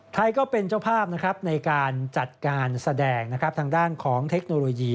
ก็เป็นเจ้าภาพในการจัดการแสดงทางด้านของเทคโนโลยี